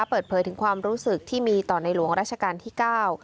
เปิดเผยถึงความรู้สึกที่มีต่อในหลวงราชการที่เก้า